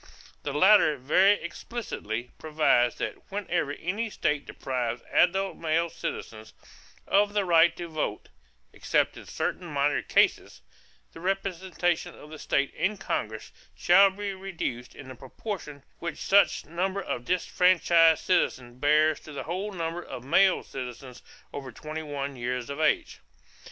The latter very explicitly provides that whenever any state deprives adult male citizens of the right to vote (except in certain minor cases) the representation of the state in Congress shall be reduced in the proportion which such number of disfranchised citizens bears to the whole number of male citizens over twenty one years of age.